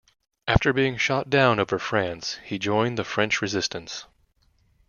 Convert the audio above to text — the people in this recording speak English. After being shot down over France, he joined the French Resistance.